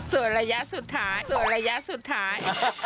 ส่วนระยะสุดท้ายส่วนระยะสุดท้าย